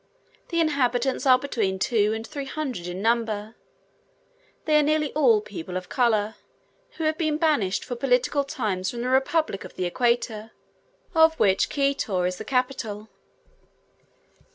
The inhabitants are between two and three hundred in number; they are nearly all people of colour, who have been banished for political crimes from the Republic of the Equator, of which Quito is the capital.